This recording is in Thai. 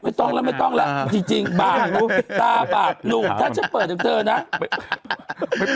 ไม่ต้องแล้วจริงบาดตาหนุ่มถ้าจะเปิดถึงเธอนะ